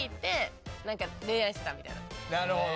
なるほどね。